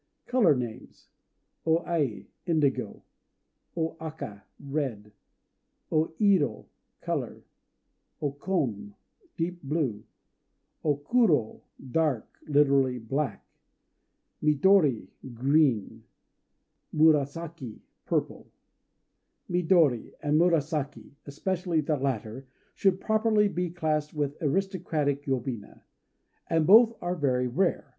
COLOR NAMES O Ai "Indigo." O Aka "Red." O Iro "Color." O Kon "Deep Blue." O Kuro "Dark," lit., "Black." Midori "Green." Murasaki "Purple." Midori and Murasaki, especially the latter, should properly be classed with aristocratic yobina; and both are very rare.